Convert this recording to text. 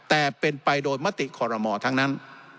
แต่เป็นไปโดยมติขอรมอทั้งนั้น